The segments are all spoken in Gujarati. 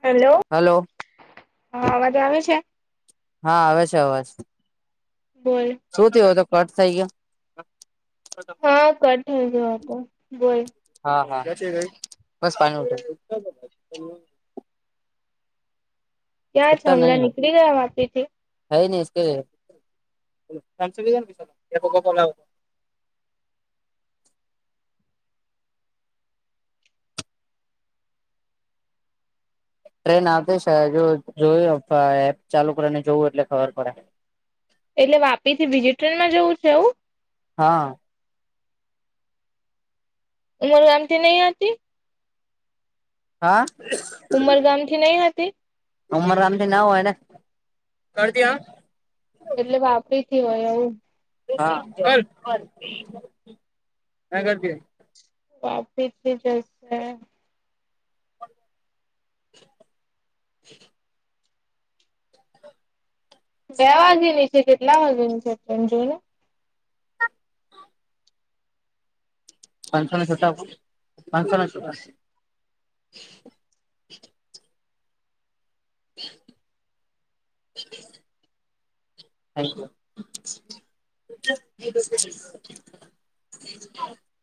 હલો. હલો. હા અવાજ આવે છે? હા આવે છે અવાજ. બોલ. શું થયું હવે તો કટ થઈ ગયો? હા. કટ થઈ ગયો હતો. બોલ. હા, હા. [unintelligible] ક્યાં છે? હમણાં નીકળી ગયા વાપીથી? કંઈ ની [unintelligible] ટ્રેન આવતી સે. જો જોઈએ [unintelligible] એપ ચાલુ કરીને જોવું એટલે ખબર પડે. એટલે વાપીથી બીજી ટ્રેનમાં જવું છે એવું? હા. ઉમરગામથી નહીં આવતી? હા? ઉમરગામથી નહીં હતી? ઉમરગામથી ના હોય ને? એટલે વાપીથી હોય એવું? હા. [unintelligible] વાપીથી જ શે [inaudible] બે વાગેની છે કેટલા વાગેની છે ટ્રેન જોને પાંસોના છૂટા આપોન પાંસોના છુટા [inaudible] [inaudible] [inaudible]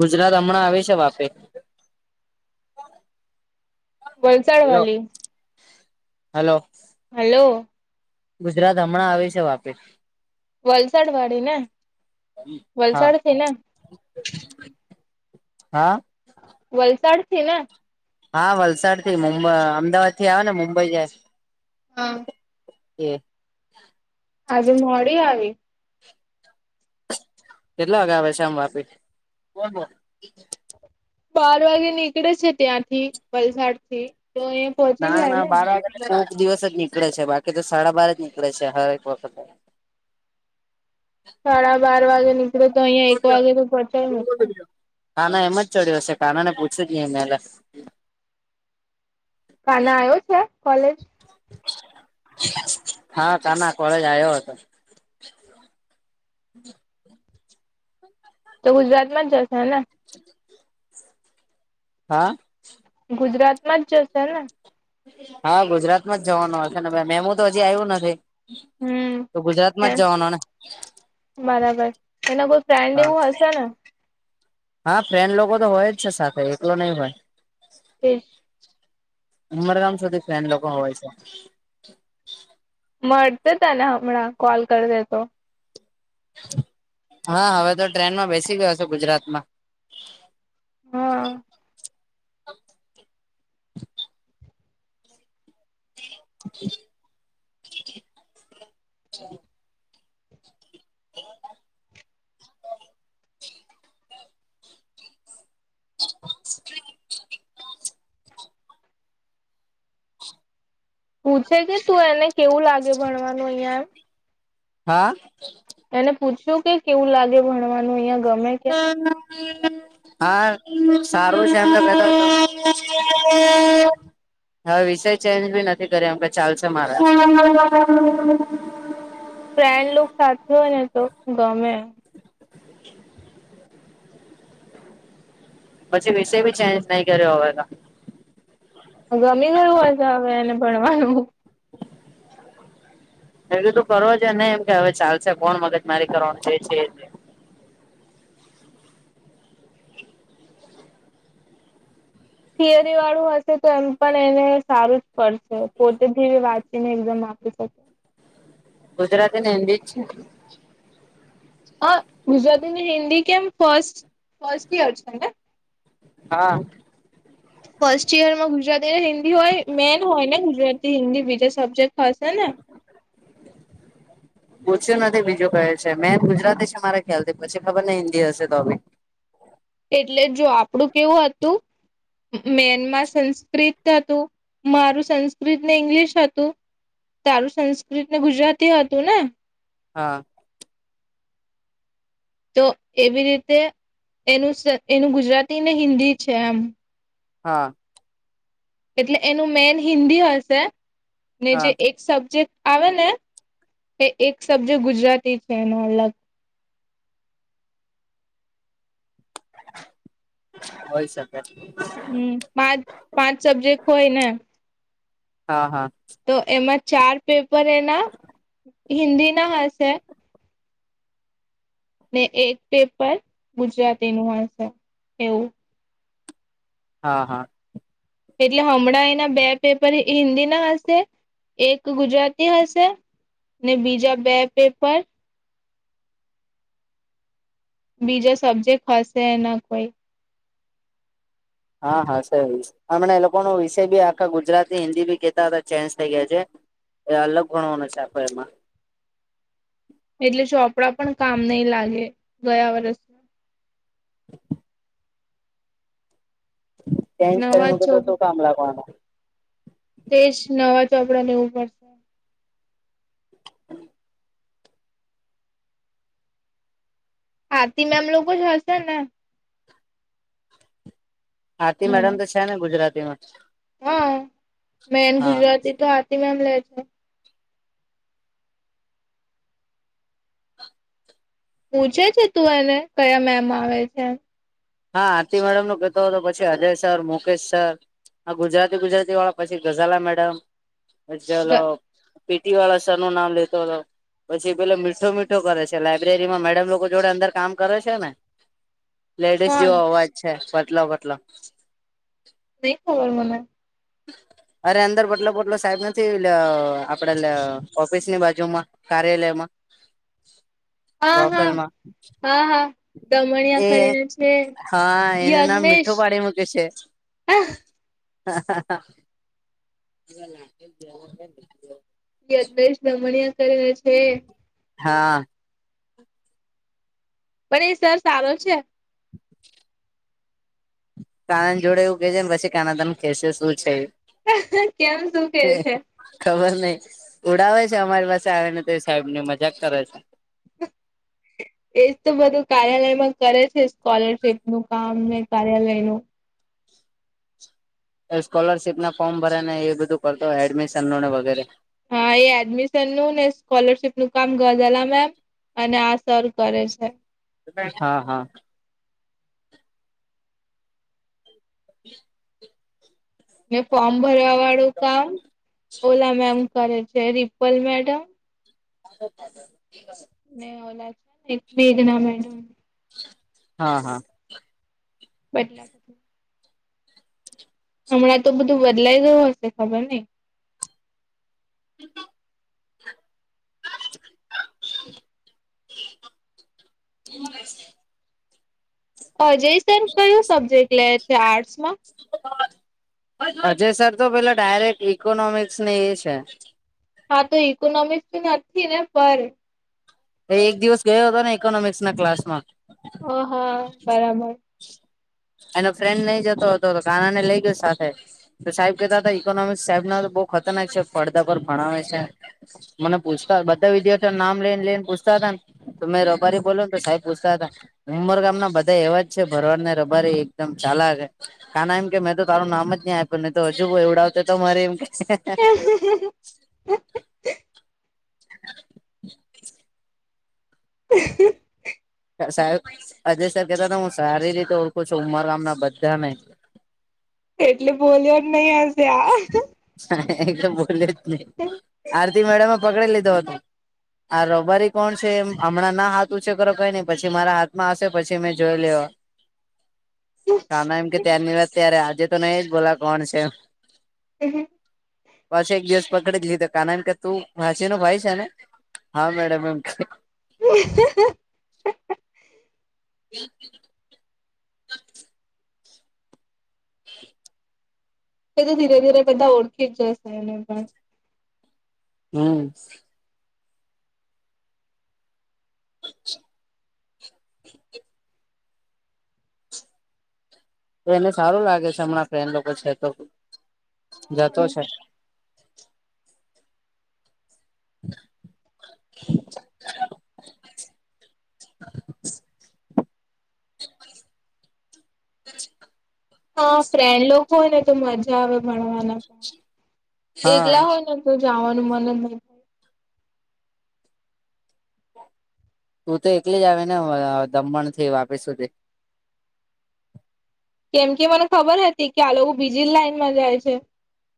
ગુજરાત હમણાં આવે છે વાફે વલસાડ હલો વાલી હલો હલો ગુજરાત હમણાં આવે છે વાપી વલસાડ વાડીને હા વલસાડથી ને? હા વલસાડથી ને? હા વલસાડથી મુંબ અમદાવાદથી આવેને મુંબઈ જાય હ એ આજે મોડી આવી કેટલા વાગે આવે છે આમ વાપી બાર વાગે નીકડે છે ત્યાંથી વલસાડથી. ના ના બાર વાગે તો કોક દિવસ જ નીકળે છે બાકી તો સાડા બારે જ નીકળે છે હરેક વખતે સાડા બાર વાગે નીકળે તો અહિયાં એક વાગે તો પોચાડી મુકે. આના એમા જ ચડ્યો હશે કાનાને પૂછ્યું જ નઈ એમને કાના આયો છે કોલેજ? હા કાના કોલેજ આયો હતો. તો ગુજરાતમાં જશો ને [inaudible] હા ગુજરાતમાં જ જશે ને? હા ગુજરાતમાં જવાનો હશેને મે-મેમો તો હજી આયવો નથી. તો ગુજરાતમાં હમ જ જવાનો ને બરાબર તને બઉ હા હા ફ્રેન્ડ લોકો તો હોય જ છે સાથે એકલો નય હોય. એજ ઉંમરગામ સુધી ફેન લોકો હોય છે. મળશે તને હમણાં કોલ કર દેતો હા હવે તો ટ્રેનમાં બેસી ગયો છું ગુજરાત માં હા [inaudible] [inaudible] પૂછે કે તું એને કેવું લાગે ભણવાનું અહિયાં એમ હા એને પૂછ્યું કે કેવું લાગે ભણવાનું અહિયાં ગમે કે હ સારું છે [inaudible] [inaudible] હા વિષય ચેન્જ ભી નથી કર્યો એમ કે ચાલશે મારા. ફ્રેડ લુક સાથે હોય ને તો ગમે. પછી વિષય ભી ચેન્જ નહી કર્યો હોવેકા ગમી ગયું હશે હવે એને ભણવાનું એ કીધું કરવો છે ને એમ કે હવે ચાલશે કોણ મગજ મારી કરવાનું જે છે [unintelligible] થિયરી વાળું હશે તો એમ પણ એને સારું જ પડશે પોતેથી વાંચીને એક્ઝામ આપી શકે ગુજરાતી ને હિન્દી જ છે અ ગુજરાતી ને હિન્દી કેમ ફસ્ટ ફસ્ટ યર છે ને હા. ફર્સ્ટ યરમાં ગુજરાતી ને હિન્દી હોય મેન હોય ને ગુજરાતી હિન્દી બીજે સબ્જેક્ટ. ફસના. પૂછ્યું નથી બીજું કહે છે મેં ગુજરાતી છે મારે ખ્યાલથી પછી ખબર ની હિન્દી હશે તો બી એટલે જો આપડું કેવું હતું. મેનમાં સંસ્કૃત હતું મારું સંસ્કૃત ને ઇંગ્લિશ હતું. તારું સંસ્કૃત ને ગુજરાતી હતું ને. હા. તો એવી રીતે એનું એનું ગુજરાતી ને હિન્દી છે એમ. હા. એટલે એનું મેન હિન્દી હશે ને જે હા એક સબ્જેક્ટ આવે ને એ એક શબ્જ ગુજરાતી છે એનું અલગ હોય શકે. હમ પાંચ પાંચ સબ્જેક્ટ હોય ને. હા હા. તો એમાં ચાર પેપર એના હિન્દી ના હશે ને એક પેપર ગુજરાતી નું હશે એવું હા હા. એટલે હમણાં એના બે પેપર હિન્દી ના હશે એક ગુજરાતી હશે. ને બીજા બે પેપર. બીજો સબ્જેક્ટ હશે એના કોઈ. હા હા સે વિસ હમણાં એ લોકો નું વિષય બી આખા ગુજરાતી હિન્દી બી કેતા હતા ચેન્જ થઇ ગયા છે. એ અલગ ગણવાનો છે આખો એમાં. એટલે ચોપડા પણ કામ નઈ લાગે ગયા વર્ષ [inaudible] ચેન્જ કરી નવા મુકે તો ચોપ શું કામ લાગવાનું. તેજ નવા ચોપડા નેવું પડ [inaudible] આરતી મેમ લોકો જ હશે ને. આરતી મેડમ તો છે ને ગુજરાતીમાં. હા મેન હા. ગુજરાતી તો આરતી મેમ લે છે. પૂછે છે તું એને કયા મેમ આવે છે હા આરતી મેડમ નું કેતો હતો પછી અજય સર મુકેશ સર. આ ગુજરાતી ગુજરાતી વાળા પછી ગઝાલા મેડમ [unintelligible] પીટી વાળા સરનું નામ લેતો હતો પછી પેલા મીઠો મીઠો કરે છે લાઈબ્રેરીમાં મેડમ લોકો જોડે અંદર કામ કરે છે ને લેડીસ કોણ જેવો અવાજ છે પાતલો પાતલો. નહી ખબર મને. અરે અંદર બટલો બટલો સાહેબ નથી ઓલા આપડા ઓફિસની બાજુ માં કાર્યાલયમાં હા હા પ્રોફેલમાં હા હા. દમણયા એ કરીને છે હા એનું નામ યજ્ઞશ મીઠું પાડી હ. હા હા હા. [unintelligible] યેગનેશ બ્મણિયા કરની છે. હા. પણ એ સર સારો છે. . કાનંદ જોડે એવું કે છે ને પછી કના તને ખેસે શું છે. કેમ શું કે્યું છે. ખબર નઈ ઉડાવે છે અમારી પાસે આવે ને તો સાહેબ ની મજાક કરે છે. એજ તો બધું કાર્યાલયમાં કરે છે સ્કોલરશીપનું કામ ને કાર્યાલયનું. અહ સ્કોલરશીપ ના ફોર્મ ભરા ને એ બધું કરતો હોય એડમિશનને વગેરે. હા એ એડમિશન નું ને સ્કોલરશીપ નું કામ ગ-ગલા માં અને આ સર કરે છે. એ તે હા હા. [unintelligible] ને ફોર્મ ભરવા વાળું કામ ઓલા મેમ કરે છે રિપલ મેડમ. [unintelligible] ને ઓલા એક વેગના મેડમ. હા હા. બદલા બ હમણાં તો બધું બદલાઈ ગયું હશે ખબર નઈ. .. અજય સર કયું સબ્જેક્ટ લે છે આર્ટસ માં? અજય સર તો પેલા ડાયરેક્ટ ઈકોનોમિક્સ ને એ છે. હા તો ઇકોનોમિક્સ તો નથી ને પર તો એક દિવસ ગયો હતો ને ઇકોનોમિક્સ ના ક્લાસમાં. ઓહા બરાબર. એનો ફ્રેન્ડ નહી જતો હતો તો કાના ને લઇ ગયો સાથે. તો સાહેબ કેહેતા હતા ઇકોનોમિક્સ સાહેબ ના તો બહુ ખતરનાક છે પડદા પર ભણાવે છે. મને પૂછતા બધા વિદ્યાર્થીઓ નામ લઈ ને લઈ ને પૂછતા તા ને તો મેં રબારી બોલોને તો સાહેબ પૂછતા હતા હુમર ગામ ના ના બધા એવા જ છે ભરવાડ ને રબ બરે એકદમ ચલાક એ ખાના એમ કે મેં તો તારું નામ જ નહી આપ્યું ને તો હજુ બ એ ઉડાવતા તો મારે એમ કે હ. [unintelligible] હ. સાહેબ અજય સર કેતા હતા હું સારી રીતે ઓળખું છું ઉમર ગામના બધાને. એટલે બોલ્યો જ નહી હશે આ એકદ બો જ નહી આરતી મેડમ એ પકડી લીધો હતો આ રોબારી કોણ છે હમણાં ના હાથ ઉછે કરો કઈ નઈ પછી મારા હાથમાંશે પછી મેં જોઈ લેવા કા ના એમ કે ત્યારની વાત ત્યારે આજે તો નહી જ બોલા કોણ છે એ ને પાછી એક દિવસ પકડી જ લીધો કારણ કે તું ભાંસી નો ભાઈ છે ને હા મેડમ એમ કે [inaudible] એ તો ધીરે ધીરે બધા ઓળખી જ જશે એને પણ હમ્મ [unintelligible] તો એને સારું લાગે છે હમણાં ફ્રેન્ડ લોકો છે તો જતો છે હા ફ્રેન્ડ લોકો હોય ને તો મજા આવે ભણવાના પણ હા એકલા હોય ને તો જવાનું મન જ નહીં તું તો એકલી જ આવે ને દમણ થી વાપી સુધી કેમ કે મને ખબર હતી કે આ લોકો બીજી જ લાઈનમાં જાય છે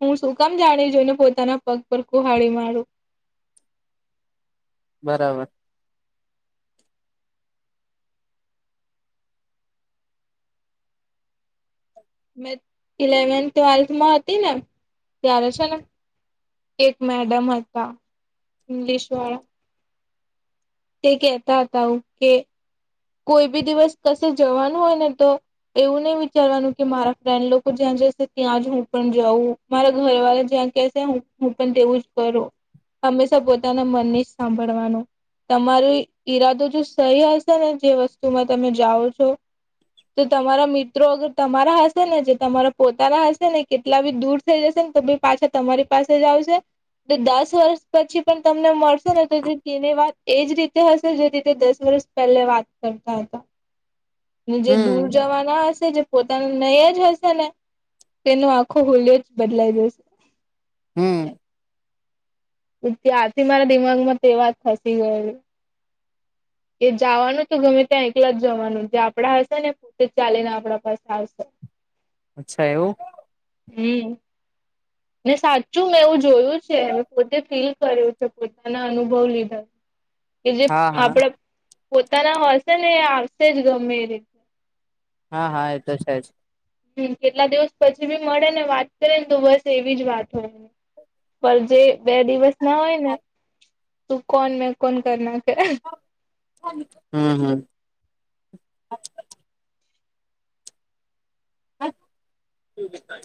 હું શું કામ જાણી છઈને પોતાના પગ પર કુહાડી મારું બરાબર મે ઇલેવન્થ ટ્વેલ્થ માં હતી ને ત્યારે છે ને એક મેડમ હતા ઇંગ્લિશ વાળા તે કેહેતા હતા એવુ કે કોઈ બી દિવસ કશે જવાનું હોય ને તો એવું નહી વિચારવાનું કે મારા ફ્રેન્ડ લોકો જ્યાં જશે ત્યાં જ હું પણ જાઉં મારા ઘરવાળા જ્યાં કેશે હું પણ તેવું જ કરું હંમેશા પોતાના મનને જ સાંભળવાનું તમારો ઈરાદો જો સહી હશે ને જે વસ્તુમાં તમે જાઓ છો તો તમારા મિત્રો અગર તમારા હશે ને જે તમારા પોતાના હશે ને કેટલા બી દૂર થઈ જશે ને તો બી પાછા તમારી પાસે જ આવશે તો દસ વર્ષ પછી પણ તમને મળશે ને તો તેની વાત એજ રીતે હશે જે રીતે દસ વર્ષ પહેલે વાત કરતા હતા જે દૂર હમ જવાના હશે જે પોતાનું નહી જ હશે ને તેનો આખો હૂલ્યો જ બદલાઈ જશે હમ્મ ત્યાંથી મારા દિમાગમાં તે વાત ખસી ગયેલી એ જવાનું તો ગમે ત્યાં એકલા જ જવાનું જે આપડા હશે ને પોતે ચાલીને આપણા પાસે આવશે અચ્છા એવું હમ્મ ને સાચું મેં એવું જોયું છે મે પોતે ફીલ કર્યું છે પોતાના અનુભવ લીધા એ જે હા હા આપડા પોતાના હશે ને એ આવશે જ ગમે એ રીત હા હા એ તો છે જ હમ્મ કેટલા દિવસ પછી બી મળે ને વાત કરે ને તો બસ એવી જ વાત હોય એની પણ જે બે દિવસ ના હોય ને તું કોણ મે કોણ કર નાખે [inaudible] હમ્મ હમ્મ. [inaudible]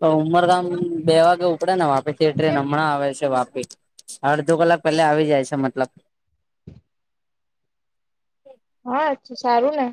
તો ઉમરગામ બે વાગે ઉપડે ને વાપીથી ટ્રેન હમણાં આવે છે વાપી અડધો કલાક પહેલા આવી જાય છે મતલબ હા અછું સારું ને